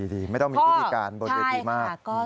ดีไม่ต้องมีพิธีการบนเวทีมาก